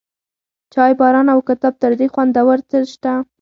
چای، باران، او کتاب، تر دې خوندور څه شته؟